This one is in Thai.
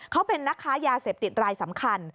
เขาเป็นนักค้ายาเสพติดรายสำคัญ